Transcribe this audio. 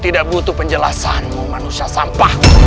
dasar manusia sampah